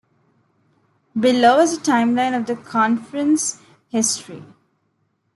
Below is a timeline of the Conference's history.